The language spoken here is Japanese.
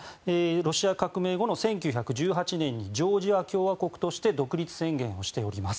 ロシア革命後の１９１８年にジョージア共和国として独立宣言をしております。